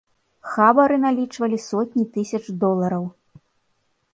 Хабары налічвалі сотні тысяч долараў.